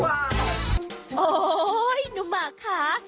ว้าวนุ่มมักค้า